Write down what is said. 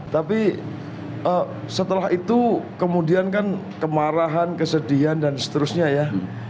tapi setelah itu kemudian kan kemarahan kesedihan dan seterusnya ya